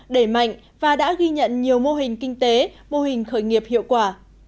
đẩy mạnh và đã ghi nhận nhiều mô hình kinh tế mô hình khởi nghiệp hiệu quả